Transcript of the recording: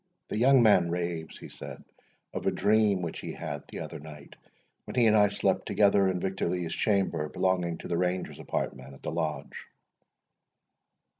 "The young man raves," he said, "of a dream which he had the other night, when he and I slept together in Victor Lee's chamber, belonging to the Ranger's apartments at the Lodge."